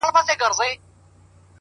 • قېمتي نوي جامې یې وې په ځان کي -